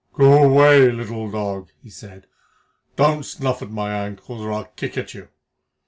"Go away, little dog!" he said. "Don't snuff at my ankles, or I'll kick at you.